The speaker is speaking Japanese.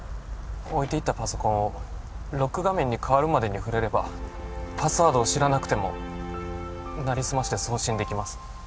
置いていったパソコンをロック画面に変わるまでに触れればパスワードを知らなくてもなりすまして送信できます